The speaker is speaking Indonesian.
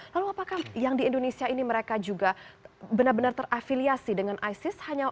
lalu apakah yang di indonesia ini mereka juga benar benar terafiliasi dengan isis